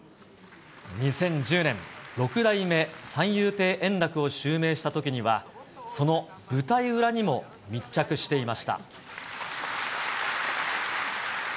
２０１０年、六代目三遊亭円楽を襲名したときには、その舞台裏にも密着していました。